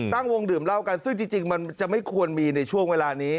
ตั้งวงดื่มเหล้ากันซึ่งจริงมันจะไม่ควรมีในช่วงเวลานี้